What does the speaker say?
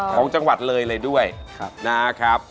ของจังหวัดเลยเลยด้วยนะครับ